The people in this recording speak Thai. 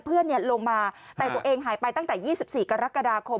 เพื่อนลงมาแต่ตัวเองหายไปตั้งแต่๒๔กรกฎาคม